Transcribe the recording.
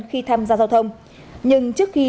khi tham gia giao thông nhưng trước khi